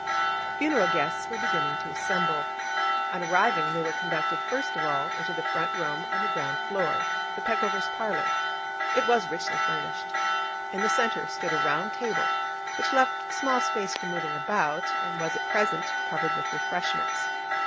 Funeral guests were beginning to assemble. On arriving, they were conducted first of all into the front room on the ground floor, the Peckovers' parlour. It was richly furnished. In the centre stood a round table, which left small space for moving about, and was at present covered with refreshments.